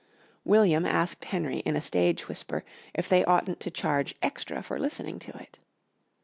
William asked Henry in a stage whisper if they oughtn't to charge extra for listening to it.